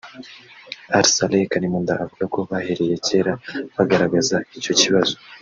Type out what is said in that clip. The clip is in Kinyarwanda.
Al-Saleh Karimunda uvuga ko bahereye kera bagaragaza icyo kibazo